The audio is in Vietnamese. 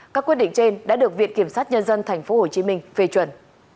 các quyết định trên đã được viện kiểm sát nhân dân tp hcm phê chuẩn